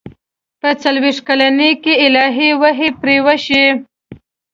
په څلوېښت کلنۍ کې الهي وحي پرې وشي.